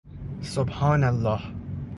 سبحان الله!